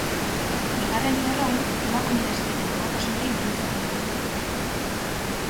Bigarren lerroan emakume lesbianen amatasunari buruzkoa da.